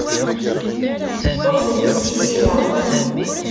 Ur tent-ssissineɣ.